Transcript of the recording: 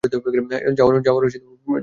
যাওয়ার প্রস্তুতি নাও।